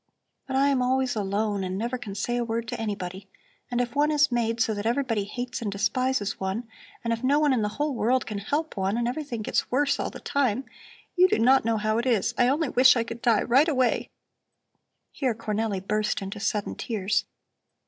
"But I am always alone and never can say a word to anybody. And if one is made so that everybody hates and despises one, and if no one in the whole world can help one and everything gets worse all the time You do not know how it is. I only wish I could die right away " Here Cornelli burst into sudden tears.